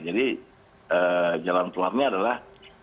jadi jalan keluarnya adalah